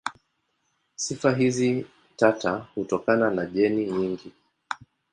Sifa hizi tata hutokana na jeni nyingi.